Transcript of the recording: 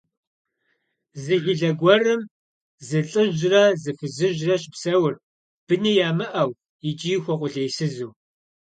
Зы жылэ гуэрым зы лӀыжьрэ зы фызыжьрэ щыпсэурт, быни ямыӀэу икӀи хуэкъулейсызу.